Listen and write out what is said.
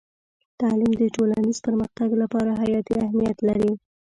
تعلیم د ټولنیز پرمختګ لپاره حیاتي اهمیت لري.